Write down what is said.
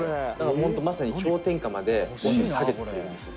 「本当、まさに氷点下まで温度を下げてくれるんですよ」